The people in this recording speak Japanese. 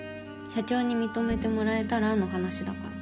社長に認めてもらえたらの話だから。